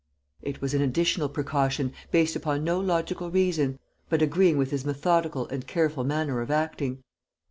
It was an additional precaution, based upon no logical reason, but agreeing with his methodical and careful manner of acting.